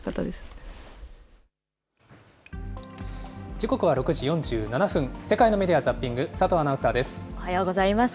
時刻は６時４７分、世界のメディア・ザッピング、佐藤アナウおはようございます。